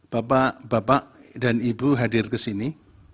bapak bapak dan ibu hadir ke sini